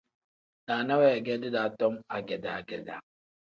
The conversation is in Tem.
Naana weegedi daa tom agedaa-gedaa.